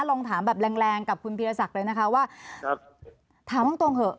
ลองถามแบบแรงแรงกับคุณพีรศักดิ์เลยนะคะว่าครับถามตรงตรงเถอะ